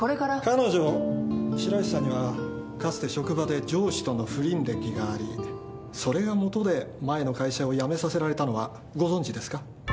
彼女白石さんにはかつて職場で上司との不倫歴がありそれが元で前の会社を辞めさせられたのはご存じですか？